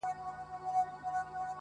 ستا په دې معاش نو کمه خوا سمېږي.